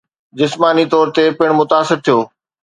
جسماني طور تي پڻ متاثر ٿيو